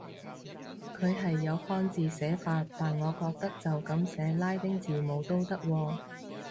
佢係有漢字寫法，但我覺得就噉寫拉丁字母都得喎